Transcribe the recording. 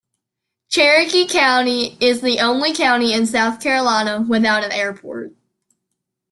Cherokee County is the only county in South Carolina without an airport.